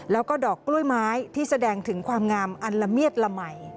แล้วก็ดอกกล้วยไม้ที่แสดงถึงความงามอันละเมียดละไหม